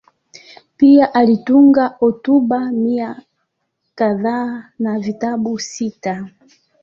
Pia alitunga hotuba mia kadhaa na vitabu sita.